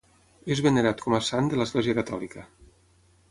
És venerat com a sant de l'Església catòlica.